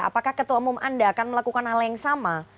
apakah ketua umum anda akan melakukan hal yang sama